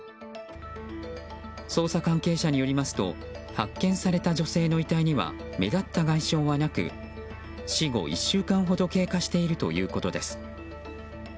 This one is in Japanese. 捜査関係者によりますと発見された女性の遺体には目立った外傷はなく死後１週間ほど経過しているということです。